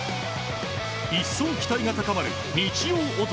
一層期待が高まる日曜男